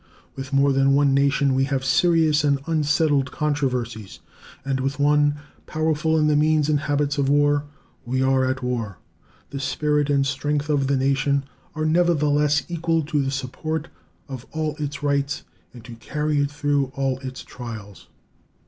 With more than one nation we have serious and unsettled controversies, and with one, powerful in the means and habits of war, we are at war. The spirit and strength of the nation are nevertheless equal to the support of all its rights, and to carry it through all its trials.